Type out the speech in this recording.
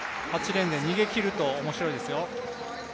８レーンで逃げきれると面白いですよ。